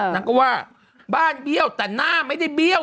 นางก็ว่าบ้านเบี้ยวแต่หน้าไม่ได้เบี้ยว